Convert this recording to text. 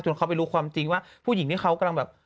เขาไปรู้ความจริงว่าผู้หญิงที่เขากำลังแบบ